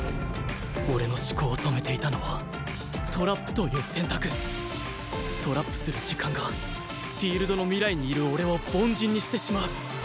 俺の思考を止めていたのはトラップという選択トラップする時間がフィールドの未来にいる俺を凡人にしてしまう